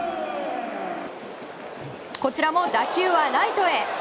こちらも打球はライトへ。